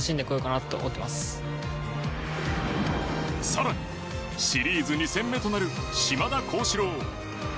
更にシリーズ２戦目となる島田高志郎。